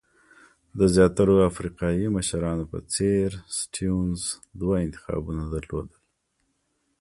د زیاترو افریقایي مشرانو په څېر سټیونز دوه انتخابونه درلودل.